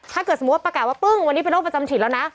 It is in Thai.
ถ้าเกิดสมมุติประกาศว่าปึ้งวันนี้เป็นโรคระบาดประจำถิตแล้วนะ